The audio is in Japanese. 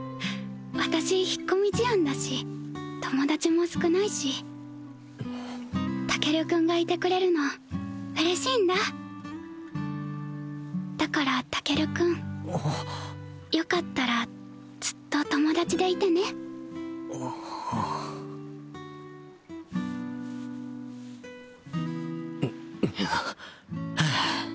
私引っ込み思案だし友達も少ないしタケル君がいてくれるの嬉しいんだだからタケル君よかったらずっと友達でいてねはあ